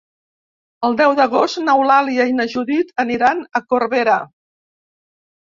El deu d'agost n'Eulàlia i na Judit aniran a Corbera.